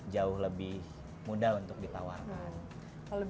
jauh lebih mudah untuk ditawarkan